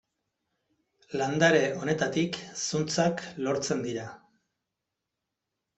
Landare honetatik zuntzak lortzen dira.